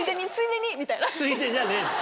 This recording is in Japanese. ついでじゃねえんだ。